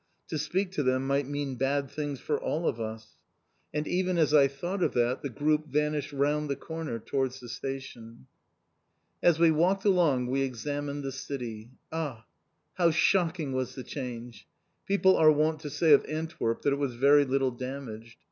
To speak to them might mean bad things for all of us. And even as I thought of that, the group vanished round the corner, towards the station. As we walked along we examined the City. Ah, how shocking was the change! People are wont to say of Antwerp that it was very little damaged.